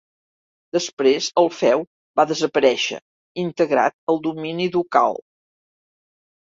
Després el feu va desaparèixer integrat al domini ducal.